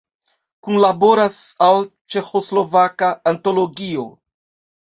Kunlaboras al Ĉeĥoslovaka antologio.